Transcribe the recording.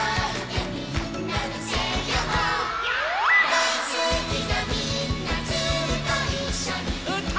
「だいすきなみんなずっといっしょにうたおう」